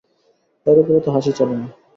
এর উপরে তো হাসি চলে না।